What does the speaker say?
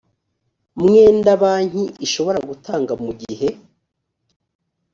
mwenda banki ishobora gutanga mu gihe